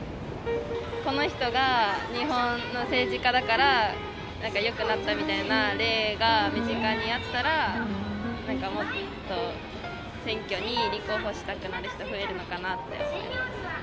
この人が日本の政治家だからよくなったみたいな例が身近にあったら、なんかもっと選挙に立候補したくなる人が増えるのかなって思います。